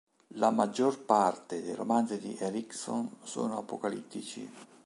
La maggior parte dei romanzi di Erickson sono apocalittici.